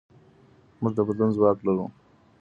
موږ د بدلون ځواک لرو.